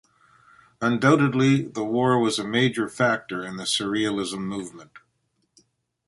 Undoubtedly, the war was a major factor in the surrealism movement.